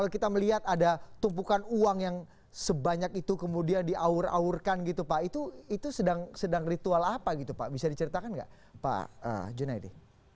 kalau kita melihat ada tumpukan uang yang sebanyak itu kemudian diaur aurkan gitu pak itu sedang ritual apa gitu pak bisa diceritakan nggak pak junaidi